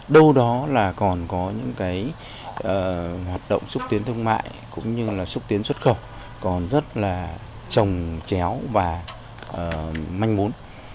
đâu đó còn có những hoạt động xúc tiến thương mại cũng như xúc tiến xuất khẩu còn rất trồng chéo và manh mốn